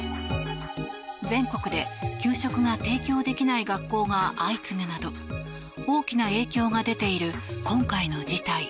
全国で給食が提供できない学校が相次ぐなど大きな影響が出ている今回の事態。